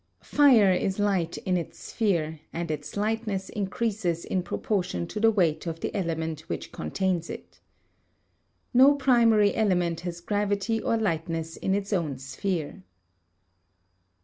Fire is light in its sphere and its lightness increases in proportion to the weight of the element which contains it. No primary element has gravity or lightness in its own sphere.